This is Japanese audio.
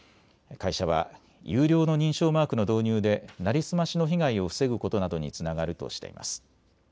会社は有料の認証マークの導入で成り済ましの被害を防ぐことなどにつながるとしています。